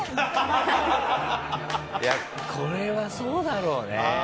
いやこれはそうだろうね。